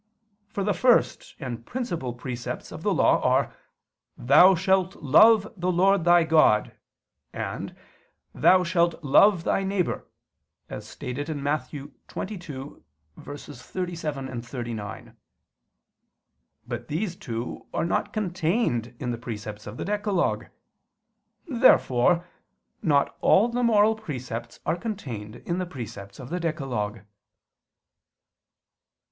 For the first and principal precepts of the Law are, "Thou shalt love the Lord thy God," and "Thou shalt love thy neighbor," as stated in Matt. 22:37, 39. But these two are not contained in the precepts of the decalogue. Therefore not all the moral precepts are contained in the precepts of the decalogue.